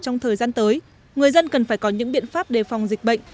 trong thời gian tới người dân cần phải có những biện pháp đề phòng dịch bệnh